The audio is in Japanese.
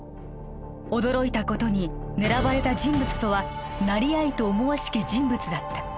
驚いたことに狙われた人物とは成合と思わしき人物だった